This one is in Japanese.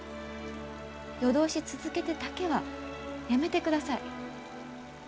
夜通し続けてだけはやめてください。